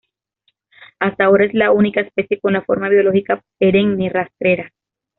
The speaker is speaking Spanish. Hasta ahora es la única especie con la forma biológica perenne rastrera.